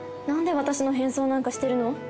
私の変装なんかしてるの？